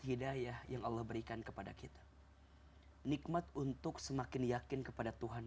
hidayah yang allah berikan kepada kita nikmat untuk semakin yakin kepada tuhan